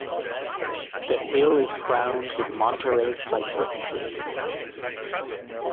The hill is crowned with Monterey cypress trees.